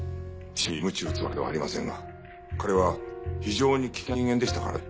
死者にむち打つわけではありませんが彼は非常に危険な人間でしたからね。